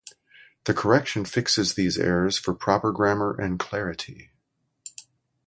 The correction fixes these errors for proper grammar and clarity.